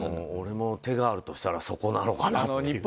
俺も手があるとしたらそこなのかなって。